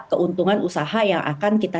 keuntungan usaha yang akan kita